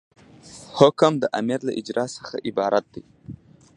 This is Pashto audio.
حکم د امر له اجرا څخه عبارت دی.